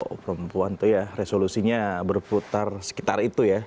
oh perempuan tuh ya resolusinya berputar sekitar itu ya